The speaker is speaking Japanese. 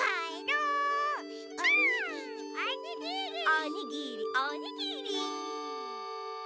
おにぎりおにぎり！